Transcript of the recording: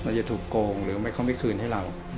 จะถูกโกงหรือไม่เขาไม่คืนให้เรา